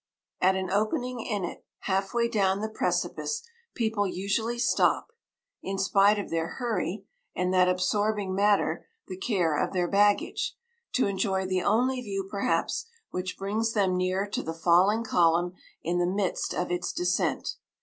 At an opening in it, half way down the precipice, people usually stop (in spite of their hurry, and that absorbing matter, the care of their baggage) to enjoy the only view, perhaps, which brings them near to the falling column in the midst of its descent.